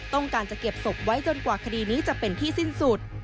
ต้องการจะเก็บศพไว้จนกว่าคดีนี้จะเป็นที่สิ้นสุด